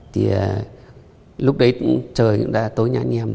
thì lúc đấy trời cũng đã tối nhẹ